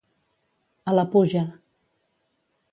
A la puja.